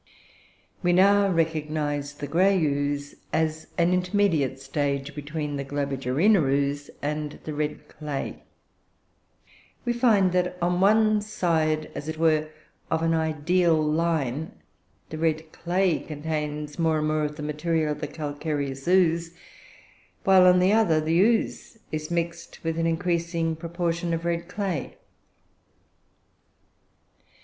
We now recognise the 'grey ooze' as an intermediate stage between the Globigerina ooze and the red clay; we find that on one side, as it were, of an ideal line, the red clay contains more and more of the material of the calcareous ooze, while on the other, the ooze is mixed with an increasing proportion of 'red clay.'